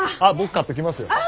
あっ僕買ってきますよ。